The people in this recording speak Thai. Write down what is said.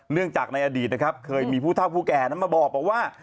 เนื่องจากในอดีตนะครับเคยมีผู้เท่าผู้แก่นั้นมาบอกว่า